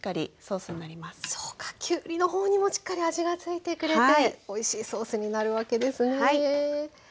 そうかきゅうりのほうにもしっかり味がついてくれておいしいソースになるわけですね。